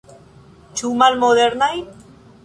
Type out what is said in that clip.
Ĉu malmodernaj?